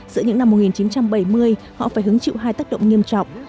giữa những năm một nghìn chín trăm bảy mươi họ phải hứng chịu hai tác động nghiêm trọng